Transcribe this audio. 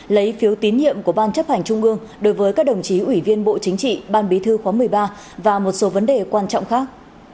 lấy phiếu tín nhiệm của ban chấp hành trung ương đối với các đồng chí ủy viên bộ chính trị ban bí thư khóa một mươi ba và một số vấn đề quan trọng khác